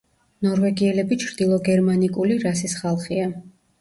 ნორვეგიელები ჩრდილოგერმანიკული რასის ხალხია.